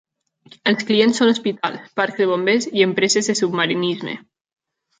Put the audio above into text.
Els clients són hospitals, parcs de bombers i empreses de submarinisme.